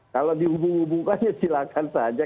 kalau dihubung hubungkan ya silakan saja